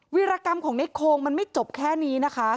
วิรกรรมของในโคงมันไม่จบแค่นี้นะคะ